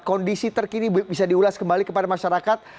kondisi terkini bisa diulas kembali kepada masyarakat